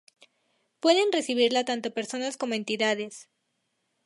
Pueden recibirla tanto personas como entidades.